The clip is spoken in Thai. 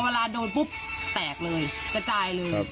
เวลาโดนปุ๊บแตกเลยกระจายเลย